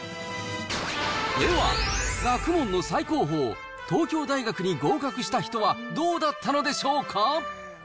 では、学問の最高峰、東京大学に合格した人はどうだったのでしょうか。